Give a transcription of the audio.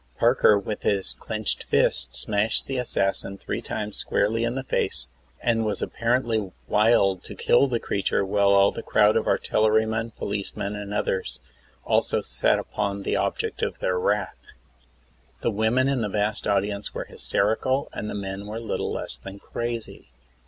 Parker, widi his clenched fist, smashed the assassin three times squarely in the face, and was apparently wild to kill the creature, while all the crowd of artillerymen, policemen, and O'thers, also set upon the object of their w:rath. "The women in the vast audience were hysterical, and the men were little less than crazy.